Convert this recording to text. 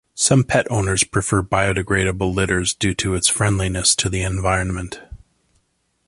Some pet owners prefer biodegradable litters due to its friendliness to the environment.